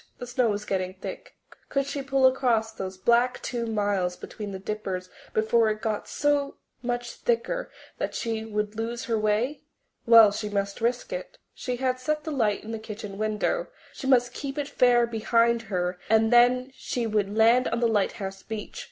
The snow was getting thick. Could she pull across those black two miles between the Dippers before it got so much thicker that she would lose her way? Well, she must risk it. She had set the light in the kitchen window; she must keep it fair behind her and then she would land on the lighthouse beach.